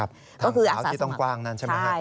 ก็คืออาสาสมัครทางเสาที่ต้องกว้างนั่นใช่ไหม